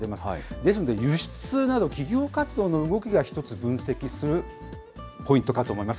ですので輸出など企業活動の動きが一つ、分析するポイントかと思います。